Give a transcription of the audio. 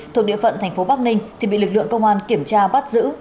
thuộc địa phận thành phố bắc ninh thì bị lực lượng công an kiểm tra bắt giữ